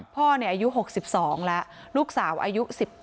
พ่ออายุ๖๒แล้วลูกสาวอายุ๑๗